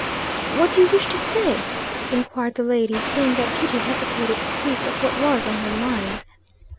"What do you wish to say?" inquired the lady, seeing that Kitty hesitated to speak of what was on her mind.